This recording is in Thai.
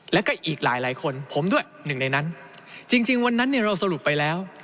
แล้วก็อีกหลายหลายคนผมด้วยหนึ่งในนั้นจริงจริงวันนั้นเนี่ยเราสรุปไปแล้ว